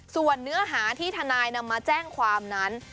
ส่วนเนื้อหาที่ทนายนำมาแจ้งความนั้น